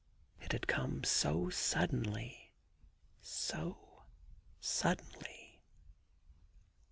It had come so suddenly, so suddenly.